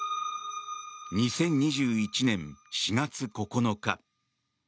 ２０２１年４月９日。